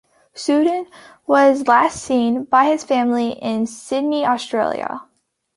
Sutton was last seen by his family in Sydney, Australia.